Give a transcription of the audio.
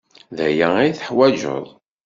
D aya ay teḥwaǧeḍ.